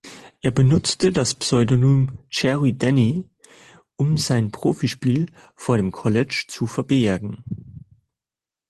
Er benutzte das Pseudonym „Jerry Denny“, um sein Profispiel vor dem College zu verbergen.